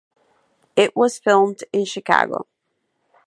It was filmed in Chicago.